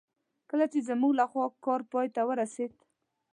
کله چې زموږ لخوا کار پای ته ورسېد.